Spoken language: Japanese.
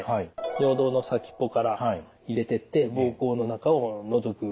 尿道の先っぽから入れてって膀胱の中をのぞく検査です。